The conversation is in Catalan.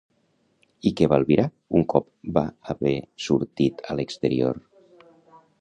I què va albirar un cop va haver sortit a l'exterior?